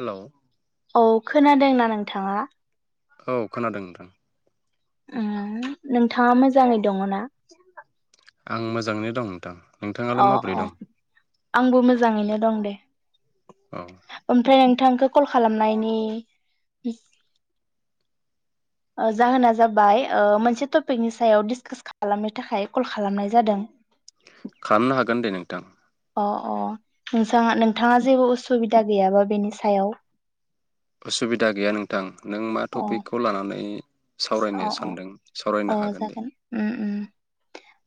Hello औ खोनादोंना नों थाङा। औ खोनादों नोंथां। उम नोंथाङा मोजाङै दङ ना? आं मोजाङैनो दं नोंथां। नोंथाङालाय अ माबोरै अ दं आंबो मोजाङैनो दं दे। औ ओमफ्राय आ थांखौ कल खालामनायनि ओ जाहोना जाबाय ओ मोनसे टपिकनि सायाव डिसकास खालामनो थाखाय कल खालामनाय जादों। खामनो हागोन दे नोंथां। अ'अ' नोंसाङा-नोंथाङा जेबो उसुबिदा गैयाबा बेनि सायाव। असुबिदा गैया नोंथां। नों मा अ टपिकखौ लानानै अ सावरायनो अ सानदों अ सावरायनो हागोन दे। जागोन उम उम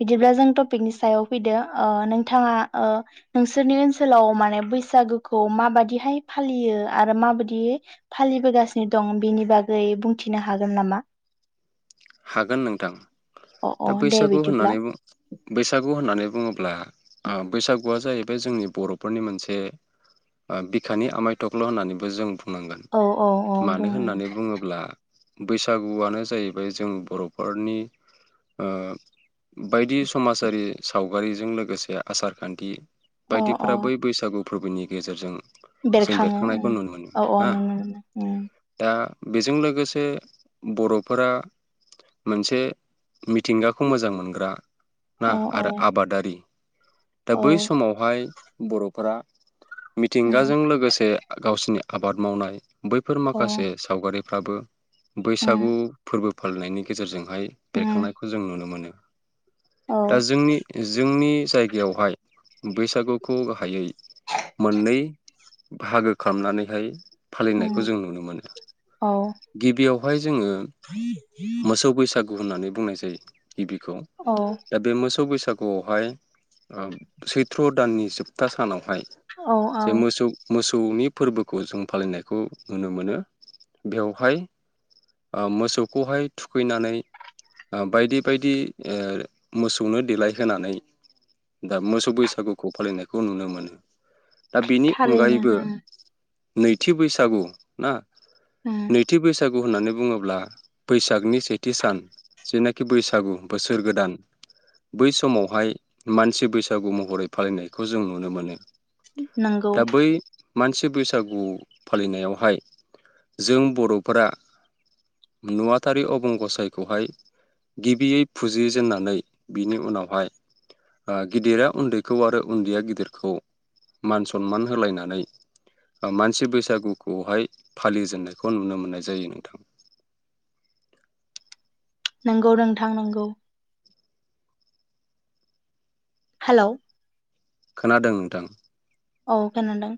बिदिब्ला जों टपिकनि सायाव फैदो ओ नोंथाङा ओ नोंसोरनि ओनसोलाव माने बैसागुखौ माबादिहाय फालियो आरो माबादि फालिबोगासिनो दं बेनि बागै बुंथिनो हागोन नामा? हागोन नोंथां। अ अ दा दे बैसागु बिदिब्ला होननानै उ बैसागु होननानै बुङोब्ला ओ बैसागुआ जाहैबाय जोंनि बर'फोरनि मोनसे ओ बिखानि आमायथख्ल' होननानैबो जों बु नांगोन औ औ औ मानो बुं होननानै बुंङोब्ला बैसागुआनो जाहैबाय जों बर'फोरनि ओ बायदि समाजारि सावगारिजों लोगोसे आसार खान्थि अ अ बायदिफोरा बै बैसागु फोरबोनि गेजेरजों जों बेरखाङो उ बेरखांनायखौ नुनो मोनो औ औ ना नुनो मोनो। उ दा बेजों लोगोसे बर'फोरा मोनसे मिथिंगाखौ मोजां मोनग्रा अ ना औ आरो आबादारि दा औ बै समावहाय बर'फोरा उम मिथिंगाजों लोगोसे गावसिनि आबाद मावनाय बैफोर अ माखासे उम सावगारि फोराबो बैसागु फोरबो फालिनायनि गेजेरजों बेहाय उम बेरखांनायखौ जों नुनो मोनो। औ दा जोंनि जोंनि बेवहाय बैसागुखौ गाहायै मोननै बाहागो खालामनानैहाय उम फालिनायखौ जों नुनो मोनो औ गिबियाव जोंङो मोसौ बैसा गु होननानै बुंनाय जायो। गिबिखौ औ दा बे मोसौ बैसा गु आवहाय सैथ्र' दाननि जोबथा सानाव हाय औ औ जों मोसौ मो सौनि फोरबोखौ जों फालिनायखौ नुनो मोनो बेवहाय मोसौखौहाय थुखैनानै बायदि बायदि मोसौनो देलायहोनानै दा मोसौ बैसागुखौ फालिनायखौ नुनो मोनो। दा बेनि थारैनो अनगायैबो उम नैथि बैसागु ना उम नैथि बैसा गु होननानै बुङोब्ला बैसागनि सेथि सान जेनाखि बैसागु बोसोर गोदान बै समावहाय मानसि बैसागु महरै फालिनायखौ जों नुनो मोनो नोंगौ दा बै मानसि बैसागु फालिनायावहाय जों बरफोरा नुवाथारि अबं गसाइखौहाय गिबियै फुजिजेननानै बिनि उनावहाय ओ गिदिरा उन्दैखौ आरो उन्दैया गिदिरखौ मान सनमान होलायनानै ओ मानसि बैसागुखौहाय फालिजेननायखौ नुनो मोननाय जायो नोंथां। नोंगौ नोंथां नोंगौ हेलौ खोनादों नोंथां औ खोनादों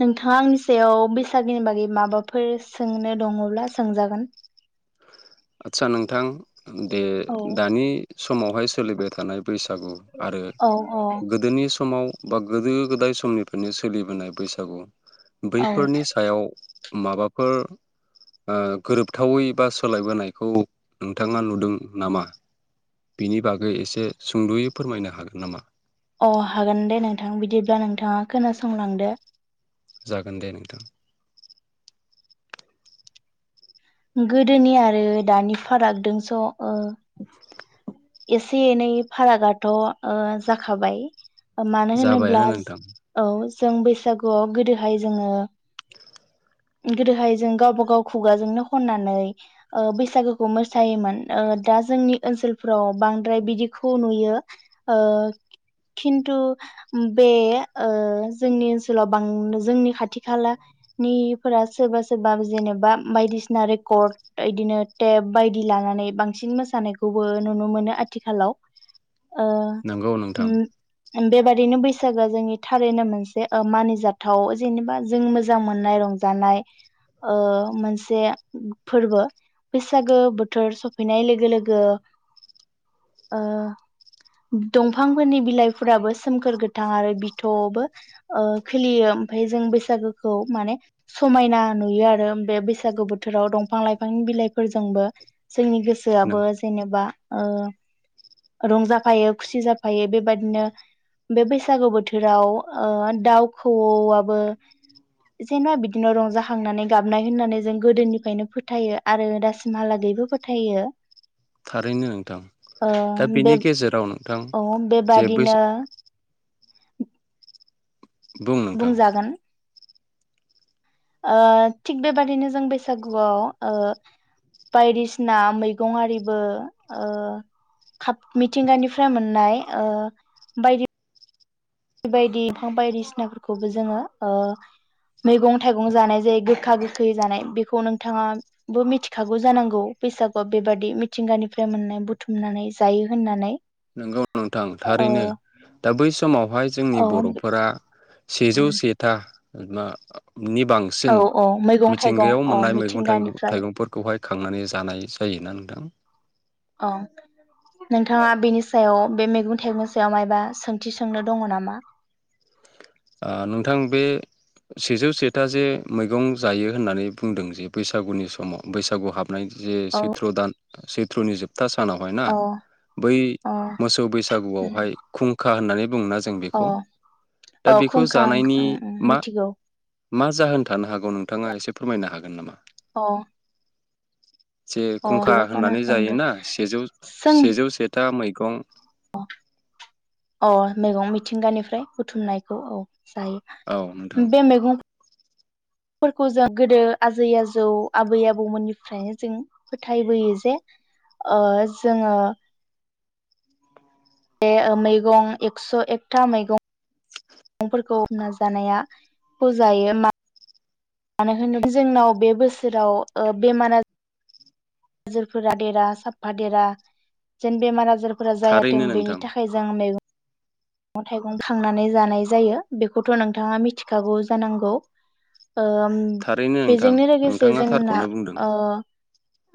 नोंथाङा आंनि सायाव बैसागोनि बागै माबाफोर सोंनो दङब्ला सोंजागोन आदसा नोंथां दे औ दानि समावहाय सोलिबाय थानाय बैसागु आरो औ औ गोदोनि समाव बा गोदो गोदाय समनिफ्रायनो सोलिबोनाय बैसागु औ बैफोरनि सायाव माबाफोर ओ गोरोबथावै बा सोलायबोनाय खौ नोंथाङा नुदों नामा? बिनि बागै एसे सुंद'यै फोरमायनो हागोन नामा? अ हागोन दे नोंथां बिदिब्ला नोंथाङा खोनासंलांदो जागोन दे नोंथां गोदोनि आरो दानि फारागदोंस ओ एसे एनै फारागाथ' ओ जाखाबाय ओ मानो होनोब्ला जाबायानो नोंथां औ जों बैसागुआव गोदोहाय जोंङो गोदोहाय जों गावब गाव खुगाजोंनो खननानै ओ बैसागोखौ मोसायोमोन ओ दा जोंनि ओनसोलफोराव बांद्राय बिदिखौ नुयो ओ खिन्थु बे ओ जोंनि ओनसोलाव बां जोंनि खाथि खाला निफोरा सोरबा सोरबा जेनेबा बायदिसि ना रेकर्ड ओइदिनो टेब बायदि लानानै बांसिन मोसानायखौबो नुनो मोनो आथिखालाव। ओ नंगौ नोंथां उम उम बेबादिनो बैसागोआ जोंनि थारैनो मोनसे ओ मानिजाथाव जेनेबा जों मोजां मोननाय रंजानाय ओ मोनसे [unintelligible] फोरबो। बैसागो बोथोर सफैनाय लोगो लोगो ओ दंफांफोरनि बिलाइफोराबो सोमखोर गोथां आरो बिथ'बो ओ खोलियो ओमफाय जों बैसागोखौ माने समायना नुयो आरो बे बैसागो बो थोराव दंफां लाइफांनि बिलाइफोरजोंबो जोंनि गोसोआबो जेनेबा ओ रंजाफायो खुसि जाफायो बेबादिनो बे बैसागु बोथोराव ओ दाउ खौवौआबो जेनबा बिदिनो रंजाखांनानै गाबनाय होननानै जों गोदोनि फायनो फोथायो आरो दासिमहालागैबो फोथायो। थारैनो नोंथां ओ दा बे बेनि गेजेराव नोंथां औ जे बै बेबादिनो बुं नोंथां बुंजागोन ओ थिग बेबादिनो जों बैसागुआव ओ बायदिसिना मैगंआरिबो ओ खाब मिथिंगानिफ्राय मोननाय ओ बायदि बायदि [inaudible] बायदिसिनाफोरखौबो जोङो ओ मैगं थाइगं जानाय जायो गोखा गोखै जानाय बेखौ नोंथाङाबो मिथिखागौ जानांगौ बैसागुआव बेबादि मिथिंगानिफ्राय मोननाय बुथुमनानै जायो होननानै। नोंगौ नोंथां ओ थारैनो दा बै समावहाय जोंनि औ बरफोरा सेजौ सेता [unintelligible] नि औ बांसिन औ मैगं थाइगं मिथिंगायाव अ मोननाय मैगं थाइगं मिथिंगानिफ्राय थाइगंफोरखौहाय खांनानै जानाय जायोना नोंथां औ नोंथाङा बेनि सायाव बे मेगं थाइगंनि सायाव मायबा सोंथि सोंनो दङ' नामा? ओ नोंथां बे सेजौ सेथा जे मैगं जायो होननानै बुंदों जे बैसागुनि समाव बैसागु हाब [unintelligible] जे औ सैथ्र' दान सैथ्रुनि जोब था सानावहाय ना अ बै अ मोसौ उम, बैसागुआवहाय खुंखा होननानै बुंना ज जों बेखौ दा औ बेखौ खुंखा जानायनि उमउम मा मिथिगौ मा जाहोन थानो हागौ नोंथाङा एसे फोरमायनो हागोन नामा? अ जे अ खुंखा बेबा होननानै खोनाखांदो जायोना सेजौ सेजौ सेथा मै गं अ अ मेगं मिथिंगानिफ्राय बुथुमनायखौ औ औ नोंथां जायो बे मेैगं फोरखौ जों गोदो आजै आजौ आबै आबौमोननिफ्रायनो जों फोथायबोयो जे ओ जोङो ए ओ मैगं एक्स' एकथा मैगं गंफोरखौ हमना जानाया फु जायो मा मानो होनोब जोंनाव बे बोसोराव ओ बेमारा आ जोरफोरा देरा साफा देरा जेन बेमार आज जारफोरा थारैनो जायाथों नोंथां बेनि थाखाय जों मैग मैगं थाइगं खांनानै जानाय जायो बेखौथ' नोंथाङा मिथिखागौ जानांगौ ओ थारैनो नोंथां बेजोंनो लोगोसे नोंथाङा जोंना थारखौनो बुंदों ओ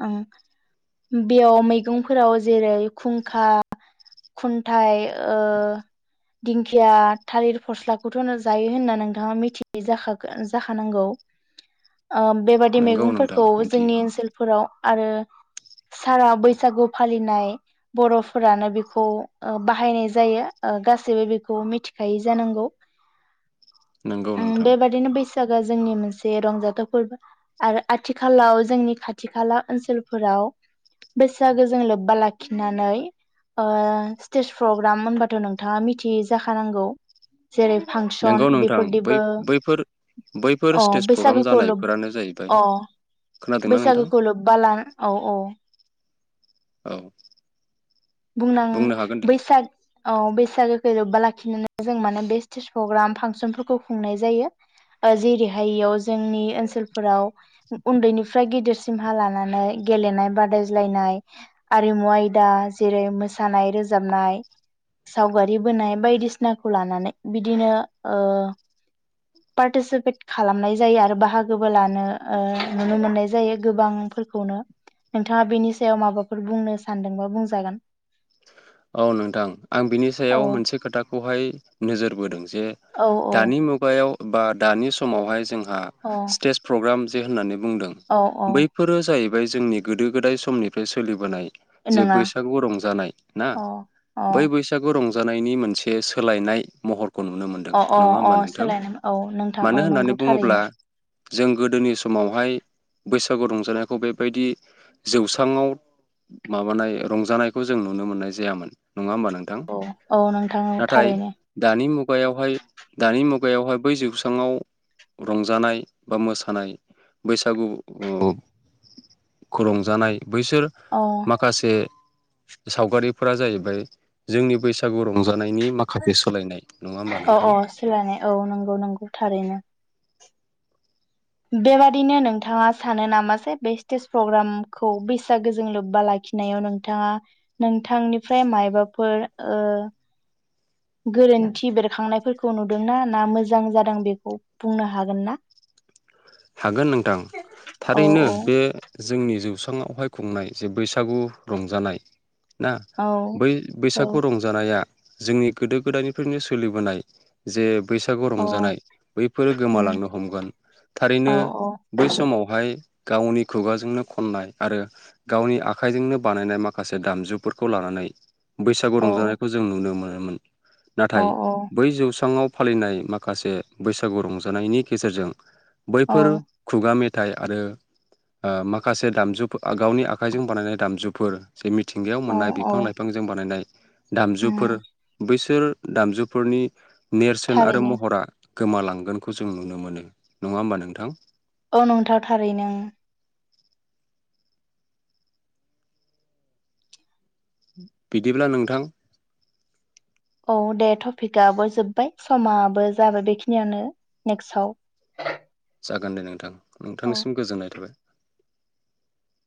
ओं बेयाव मैगंफोराव जेरै खुंखा खुन्थाइ ओ दिंखिया थालिर फस्लाखौथ' नो जायो होनना नोंथाङा मिथि जाखागोन जाखानांगौ ओ बेबादि नोंगौ नोंथां मैगंफोरखौ जोंनि मिथियो ओनसोलफोराव आरो सारा बैसागु फालिनाय बर'फोरानो बिखौ ओ बाहायनाय जायो ओ गासैबो बेखौ मिथिखायो जानांगौ नोंगौ उम नोंथां बेबादिनो बैसागोआ जोंनि मोनसे रंजाथाव फोरबो आरो आथिखालाव जोंनि खाथि खाला ओनसोलफोराव बैसागो जों लोब्बा लाखिनानै ओ स्टेज प्रग्राम होनबाथ' नों थाङा मिथियो जाखानांगौ जेरै फांसन नोंगौ नोंथां बै बेफोरदिबो बैफोर बैफोर अ स्टेज प्रग्राम बैसागोखौ लब जानायफोरानो जाहैबाय अ खोनादोंना नोंथां बैसागोखौ लोब्बा ला औ औ औ बुंनां बुंनो हागोन दे बैसाग औ बैसागोखौ लोब्बा लाखिनानै जों माने बे स्टेज प्रग्राम फांसनफोरखौ खुंनाय जायो। ओ जेरैहाय इयाव जोंनि ओनसोलफोराव उ-उन्दैनिफ्राय गिदिरसिमहा लानानै गेलेनाय बादायज्लायनाय आरिमु आयदा जेरै मोसानाय रोजाबनाय सावगारि बोनाय बायदिसिनाखौ लानानै बिदिनो ओ पार्टिसिपेट खालामनाय जायो। आरो बाहागोबो लानो ओ नुनो मोननाय जायो गोबांफोरखौनो। नोंथाङा बेनि सायाव माबाफोर बुंनो सानदोंबा बुं जागोन। औ नोंथां आं बिनि सायाव मोनसे खोथाखौहाय नोजोरबोदों। जे औ औ दानि मुगायाव बा दानि समावहाय जों ओ अ स्टेज प्रग्राम जो होननानै बुंदों औ औ बैफोरो जाहै बाय जोंनि गोदो गोदाय समनिफ्राय सोलिबोनाय जे नङा बैसागु रंजानाय आ अ अ बै बैसागु रंजानायनि मोनसे सोलायनाय महर खौ नुनो मोनदों अ अ नङा अ होमबा नोंथां? सोलायनो औ नोंथां मानो औ होननानै नंगौ बुङोब्ला थारैनो जों गोदोनि समावहाय बैसागु रं जानायखौ बेबायदि जौस्राङाव माबानाय रंजानायखौ जों नुनो मोननाय जायामोन। नङा होमबा नोंथां! औ औ नोंथां औ नाथाय थारैनो दानि मुगायावहाय दानि मुग खुगायावहाय बै जौस्राङाव रंजानाय बा मोसानाय बैसागुखौ औ खौ रंजानाय बैसोर औ माखासे सावगारि फोरा जाहैबाय जोंनि बैसागु रं अ' नोंथां अ' सोलायनाय औ नंगौ नंगौ थारैनो। बेबादिनो नोंथाङा सानो नामा जे बे स्टेज प्रग्रामखौ बैसागोजों लोब्बा लाखिनायाव नोंथाङा नोंथांनिफ्राय मायबाफोर ओ गोरोन्थि बेरखांनायफोरखौ नुदोंना ना मोजां जादों बेखौ बुंनो हागोन ना? हागोन नोंथां औ थारैनो बे जोंनि जौस ङावहाय खुंनाय जे बैसागु रंजानाय ना औ बै बैसागु औ रंजानाया जोंनि गोदो गोदायनिफ्रायनो सोलिबोनाय जे बैसागु औ रंजानाय बैफोरो उम गोमालांनो हमगोन। औ दिनो औ बै समावहाय गावनि खुगाजोंनो खननाय आरो गावनि आखाइजोंनो बानायनाय माखासे दामजुफोरखौ लानानै बैसागु औ रंजानायखौ जों नुनो मोन। मोन औ नाथाय बै जौसाङाव फालिनाय माखासे बैसागु रंजानायनि गेजेरजों औ बैफोर खुगा मेथ आरो ओ माखासे दाम गावनि आखाइजों बानायनाय दामजुफोर जे मि थिंगायाव औ मोननाय औ बिफां लाइफांजों बानायनाय दामजुफोर उम बैसो बिसोर दामजुफोरनि नेरसोन आरो थारैनो महरा गोमालांगोनखौ जों नुनो मोनो नङा होम्बा नोंथां औ नंथाव थारैनो बिदिब्ला नोंथां औ दे टपिकाबबो जोब्बाय समाबो जाबाय बेखिनियानो नेक्स्टआव जागोन दे नोंथां औ नोंथांनिसिम गोजोननाय थाबाय